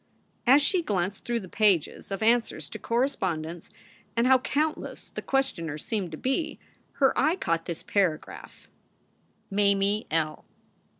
As she glanced through the pages of answers to cor respondents and how countless the questioners seemed to be! her eye caught this paragraph: MAME L.